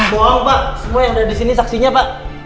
bawang pak semua yang ada di sini saksinya pak